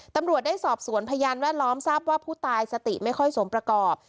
ตำรวจได้สอบสวนพยานแวดล้อมทราบว่าผู้ตายสติไม่ค่อยสมประกอบ